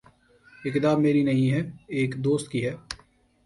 یہ کتاب میری نہیں ہے۔ ایک دوست کی ہے